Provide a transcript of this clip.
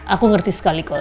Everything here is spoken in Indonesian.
aku ngerti sekali kok